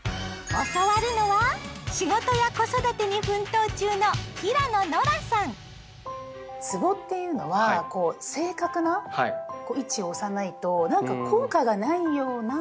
教わるのは仕事や子育てに奮闘中のつぼっていうのはこう正確な位置を押さないとなんか効果がないような勝手なイメージが。